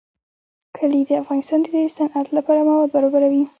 کلي د افغانستان د صنعت لپاره مواد برابروي.